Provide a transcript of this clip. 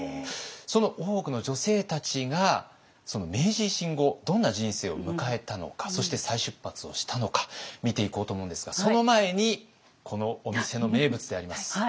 その大奥の女性たちが明治維新後どんな人生を迎えたのかそして再出発をしたのか見ていこうと思うんですがその前にこのお店の名物であります